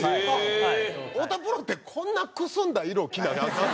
太田プロってこんなくすんだ色着なきゃアカンの？